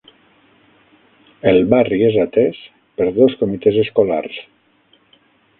El barri és atès per dos comitès escolars.